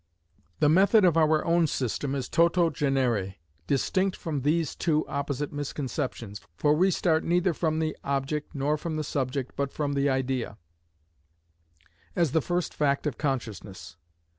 The method of our own system is toto genere distinct from these two opposite misconceptions, for we start neither from the object nor from the subject, but from the idea, as the first fact of consciousness.